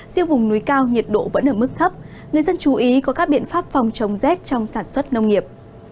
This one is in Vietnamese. riêng vùng núi cao nhiệt độ vẫn ở mức thấp người dân chú ý có các biện pháp phòng chống rét trong sản xuất nông nghiệp